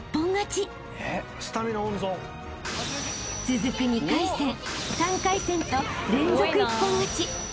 ［続く２回戦３回戦と連続一本勝ち］